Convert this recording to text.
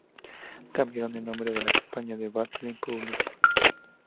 Cambiaron el nombre de la compañía a Berkley Publishing Co.